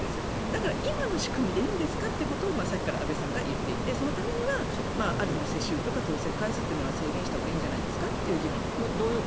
だから今の仕組みでいいですかということをさっきから安部さんが言っていてだから、世襲とか当選回数は制限したほうがいいんじゃないかという議論だと思います。